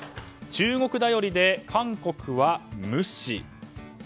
中国頼りで韓国は無視。